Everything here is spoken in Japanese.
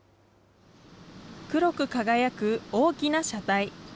黒く輝く大きな車体。